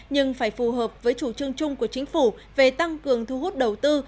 nhưng phải phù hợp với chủ trương chung của chính phủ về tăng cường thu hút đầu tư